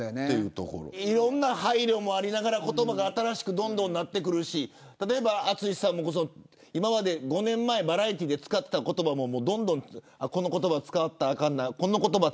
いろんな配慮もありながら言葉が新しくなってくるし例えば淳さんも５年前にバラエティーで使っていた言葉もどんどん使ったらあかんなという。